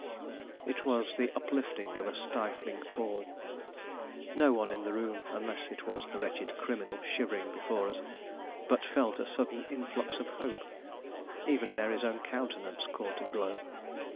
It was the uplifting of a stifling pall. No one in the room, unless it was the wretched criminal shivering before us, but felt a sudden influx of hope. Even Mary's own countenance caught a glow.